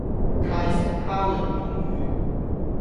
泰式烤檸檬魚